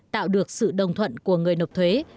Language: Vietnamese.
tạo được sự đồng thuận của người nộp thuế